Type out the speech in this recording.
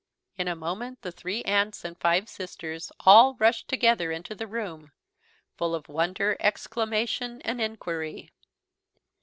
In a moment the three aunts and the five sisters all rushed together into the room, full of wonder, exclamation, and inquiry.